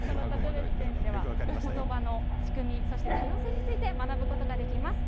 ことばの仕組み、そして多様性について学ぶことができます。